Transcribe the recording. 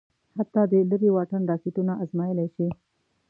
حتی د لېرې واټن راکېټونه ازمايلای شي.